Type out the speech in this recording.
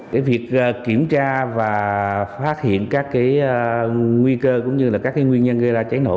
để việc kiểm tra và phát hiện các nguy cơ cũng như là các nguyên nhân gây ra cháy nổ